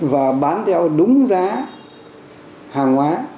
và bán theo đúng giá hàng hóa